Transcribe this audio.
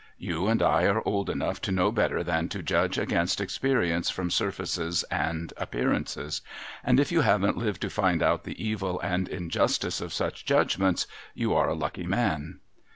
You and I are old enough to know better than to judge against experience from surfaces and appearances ; and if you haven't lived to find out the evil and injustice of such judgments, you are a lucky man.'